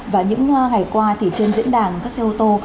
và những ngày qua thì trên diễn đàn các xe ô tô